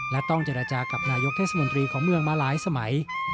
และต้องเจรจากับนายกเทศมนตรีของเมืองมาหลายสมัย